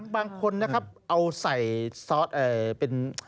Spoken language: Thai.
บางคนนะครับเอาใส่ซอสเป็น